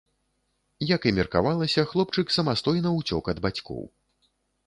Як і меркавалася, хлопчык самастойна ўцёк ад бацькоў.